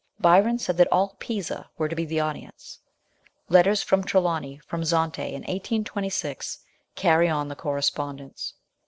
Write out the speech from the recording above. Byron said that all Pisa were to be the audience. Letters from Trelawny from Zante in 1826, carry on the correspondence.